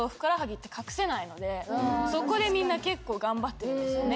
そこでみんな結構頑張ってるんですよね。